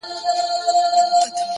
هر منزل د نوي فهم سرچینه ده!